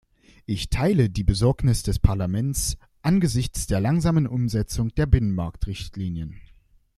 Ich teile die Besorgnis des Parlaments angesichts der langsamen Umsetzung der Binnenmarktrichtlinien.